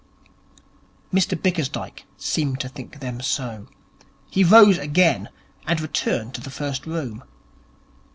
Mr Bickersdyke seemed to think them so. He rose again, and returned to the first room.